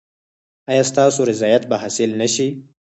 ایا ستاسو رضایت به حاصل نه شي؟